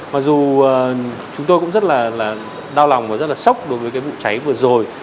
mặc dù chúng tôi cũng rất là đau lòng và rất là sốc đối với cái vụ cháy vừa rồi